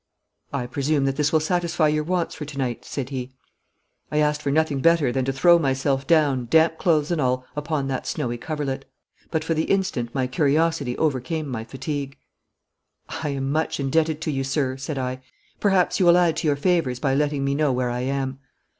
'I presume that this will satisfy your wants for to night,' said he. I asked for nothing better than to throw myself down, damp clothes and all, upon that snowy coverlet; but for the instant my curiosity overcame my fatigue. 'I am much indebted to you, sir,' said I. 'Perhaps you will add to your favours by letting me know where I am.'